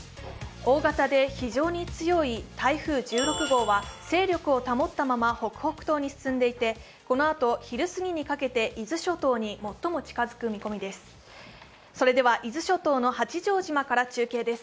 大型で非常に強い台風１６号は勢力を保ったまま北北東に進んでいてこのあと昼すぎにかけて伊豆諸島に最も近づく見込みです。